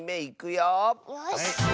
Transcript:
よし！